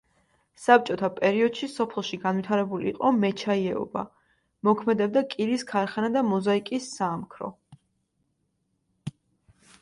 საბჭოთა პერიოდში სოფელში განვითარებული იყო მეჩაიეობა, მოქმედებდა კირის ქარხანა და მოზაიკის საამქრო.